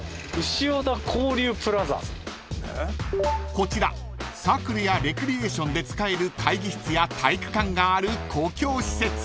［こちらサークルやレクリエーションで使える会議室や体育館がある公共施設］